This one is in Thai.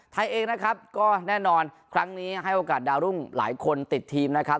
ไทยเองนะครับก็แน่นอนครั้งนี้ให้โอกาสดาวรุ่งหลายคนติดทีมนะครับ